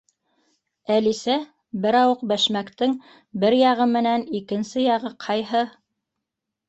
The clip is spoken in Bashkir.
Әлисә берауыҡ бәшмәктең бер яғы менән икенсе яғы ҡайһы